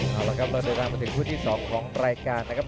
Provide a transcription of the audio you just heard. เอาละครับเราเดินทางมาถึงคู่ที่๒ของรายการนะครับ